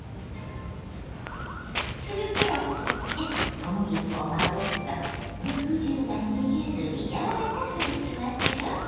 汁けをきって小麦粉をまぶすと肉汁が逃げずにやわらかくできますよ。